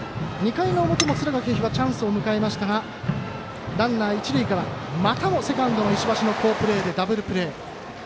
２回の表、敦賀気比チャンスを迎えましたがランナー、一塁からまたもセカンドの石橋の好プレーでダブルプレー。